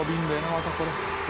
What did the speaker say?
またこれ」